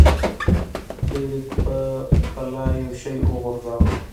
فلیریک په بلا یو شی وغورځاوه.